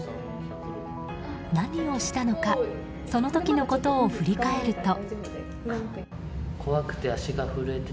何をしたのかその時のことを振り返ると。